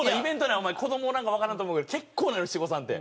お前子どもおらんからわからんと思うけど結構なのよ七五三って。